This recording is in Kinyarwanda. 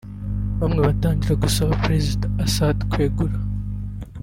bamwe batangira gusaba Perezida Assad kwegura